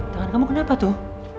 tangan kamu kenapa tuh